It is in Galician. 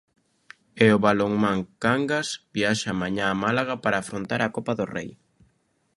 E o Balonmán Cangas viaxa mañá a Málaga para afrontar a Copa do Rei.